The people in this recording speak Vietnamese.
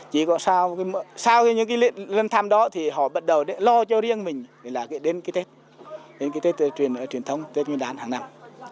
chỉ còn sau những lần thăm đó thì họ bắt đầu lo cho riêng mình là đến cái tết đến cái tết truyền thống tết nguyên đán hàng năm